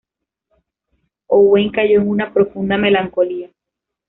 Owain cayó en una profunda melancolía.